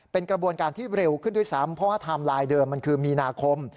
เป็นกระบวนการที่เร็วขึ้นด้วยซ้ำเพราะว่าไทม์ไลน์เดิมมันคือมีนาคม